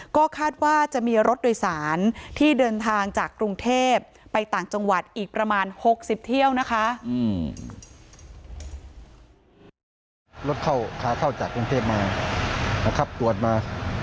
ก็คาดว่าจะมีรถโดยสารที่เดินทางจากกรุงเทพไปต่างจังหวัดอีกประมาณ๖๐เที่ยวนะคะ